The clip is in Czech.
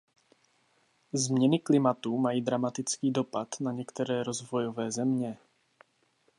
Změny klimatu mají dramatický dopad na některé rozvojové země.